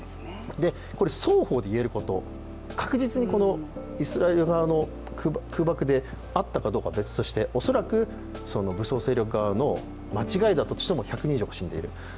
これ双方で言えること、確実にイスラエル側の空爆であったかどうか別として恐らく武装勢力側の間違いだったとしても１００人以上が死んでいる。